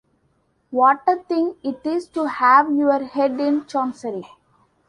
What a thing it is to have your head in chancery.